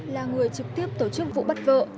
là người trực tiếp tổ chức vụ bắt vợ